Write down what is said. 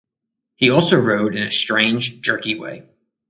He also rode in a strange, jerky way.